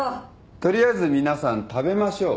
取りあえず皆さん食べましょう。